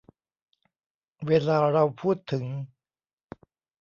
เวลาเราพูดถึง